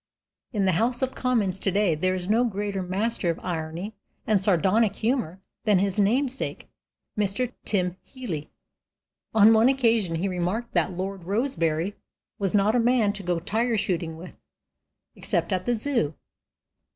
In the House of Commons today there is no greater master of irony and sardonic humor than his namesake, Mr. Tim Healy. On one occasion he remarked that Lord Rosebery was not a man to go tiger shooting with except at the Zoo.